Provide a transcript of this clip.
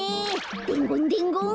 でんごんでんごん。